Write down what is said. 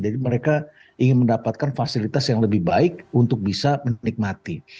jadi mereka ingin mendapatkan fasilitas yang lebih baik untuk bisa menikmati